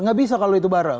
nggak bisa kalau itu bareng